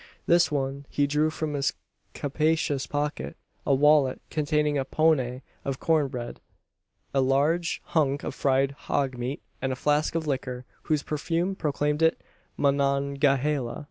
This done, he drew from his capacious pocket a wallet, containing a "pone" of corn bread, a large "hunk" of fried "hog meat," and a flask of liquor, whose perfume proclaimed it "Monongahela."